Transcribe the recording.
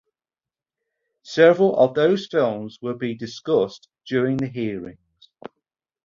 Several of those films would be discussed during the hearings.